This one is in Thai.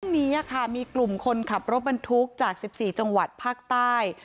นี้ค่ะมีกลุ่มคนขับรถบรรทุกจาก๑๔จังหวัดภาคใต้